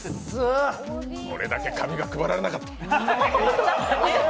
俺だけ紙が配られなかった。